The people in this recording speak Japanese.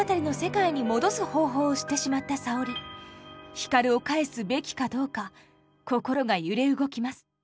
光を帰すべきかどうか心が揺れ動きます。